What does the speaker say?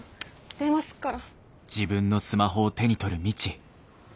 電話すっから！